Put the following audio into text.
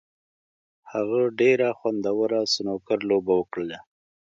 هغه ډېره خوندوره سنوکر لوبه وکړله.